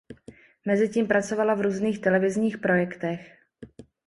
Mezitím pracovala v různých televizních projektech.